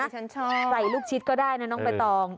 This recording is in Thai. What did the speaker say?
ใส่ลูกชิตก็ได้นะน้องไปตอง